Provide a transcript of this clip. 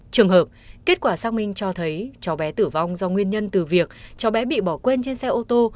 trường hợp kết quả xác minh cho thấy cháu bé tử vong do nguyên nhân từ việc cháu bé bị bỏ quên trên xe ô tô